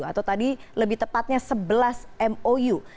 atau tadi lebih tepatnya sebelas mou